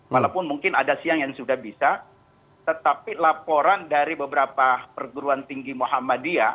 walaupun mungkin ada siang yang sudah bisa tetapi laporan dari beberapa perguruan tinggi muhammadiyah